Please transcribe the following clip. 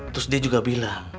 terus dia juga bilang